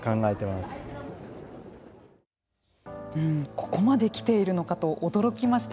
ここまで来ているのかと驚きました。